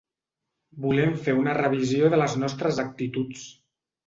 Volem fer una revisió de les nostres actituds.